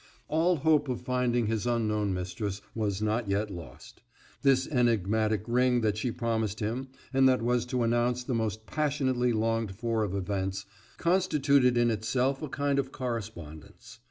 All hope of finding his unknown mistress was not yet lost; this enigmatic ring that she promised him, and that was to announce the most passionately longed for of events, constituted in itself a kind of correspondence.